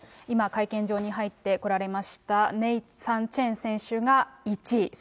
今会見場に入ってこられました、ネイサン・チェン選手が１位。